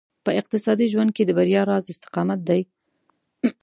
په اقتصادي ژوند کې د بريا راز استقامت دی.